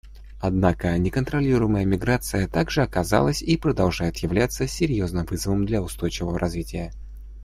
Однако неконтролируемая миграция также оказалась и продолжает являться серьезным вызовом для устойчивого развития.